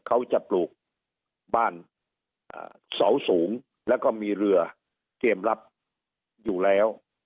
เขาจะปลูกบ้านเสาสูงแล้วก็มีเรือเตรียมรับอยู่แล้ว